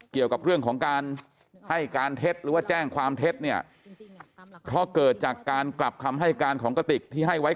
ความเท็จเพราะเกิดจากการกลับคำให้การของกติดพี่ให้ไว้